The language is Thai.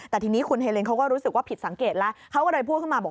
แต่ทีนี้ไปแล้วคุณเฮเลนก็รู้สึกผิดสังเกตก็โดยพูดขึ้นมา